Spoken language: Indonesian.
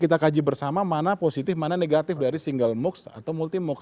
kita kaji bersama mana positif mana negatif dari single moocs atau multi moke